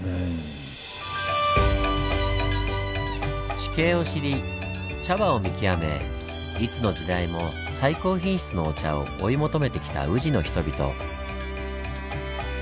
地形を知り茶葉を見極めいつの時代も最高品質のお茶を追い求めてきた宇治の人々。